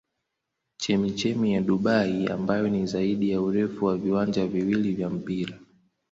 Chemchemi ya Dubai ambayo ni zaidi ya urefu wa viwanja viwili vya mpira.